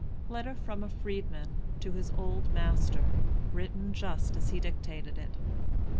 LETTER FROM A FREEDMAN TO HIS OLD MASTER. [Written just as he dictated it.